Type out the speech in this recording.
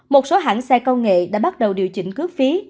một số hãng xe công nghệ đã bắt đầu điều chỉnh cước phí